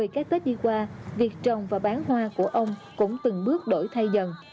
một mươi cái tết đi qua việc trồng và bán hoa của ông cũng từng bước đổi thay dần